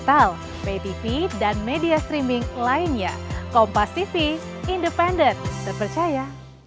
kami melaksanakan tugas dari itu mulai hari ini sebagai kepala staf angkatan udara yang ke dua puluh empat